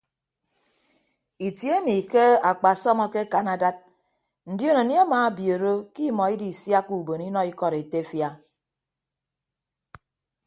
Itie emi ke akpasọm akekan adad ndion anie amabiooro ke imọ idisiakka ubon inọ ikọd etefia.